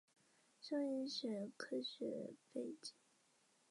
生物医学科学背景